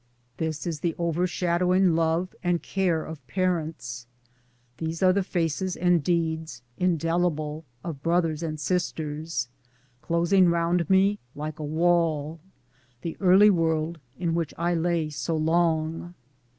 This is the overshadowing love and care of parents; these are the faces and deeds, in delible, of brothers and sisters — closing round me like a wall — the early world in which I lay so long.